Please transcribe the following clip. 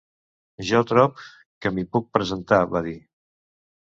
Jo trob que m’hi puc presentar, va dir.